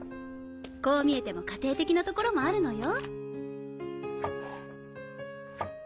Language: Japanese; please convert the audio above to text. こう見えても家庭的なところもあるのよ。